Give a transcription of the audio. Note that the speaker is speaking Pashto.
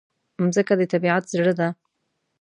مځکه د طبیعت زړه ده.